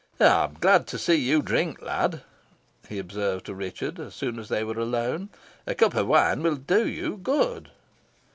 "I am glad to see you drink, lad," he observed to Richard, as soon as they were alone; "a cup of wine will do you good."